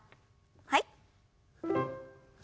はい。